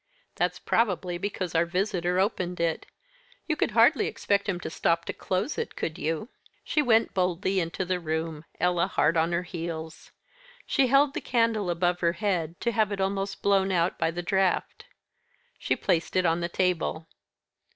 "That's probably because our visitor opened it. You could hardly expect him to stop to close it, could you?" She went boldly into the room Ella hard on her heels. She held the candle above her head to have it almost blown out by the draught. She placed it on the table.